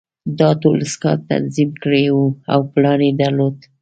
دا ټول سکاټ تنظیم کړي وو او پلان یې درلود